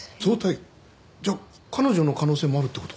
じゃあ彼女の可能性もあるって事？